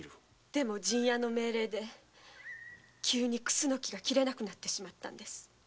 でも陣屋の命令で樟が切れなくなってしまったんです。